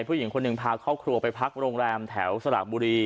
ผู้หญิงคนหนึ่งพาครอบครัวไปพักโรงแรมแถวสระบุรี